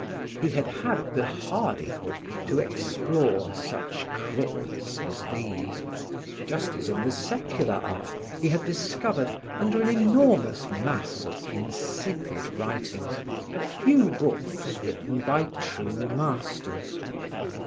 He had had the hardihood to explore such crypts as these, just as in the secular art he had discovered, under an enormous mass of insipid writings, a few books written by true masters.